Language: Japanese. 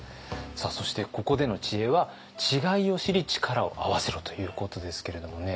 さあそしてここでの知恵は「違いを知り力を合わせろ」ということですけれどもね。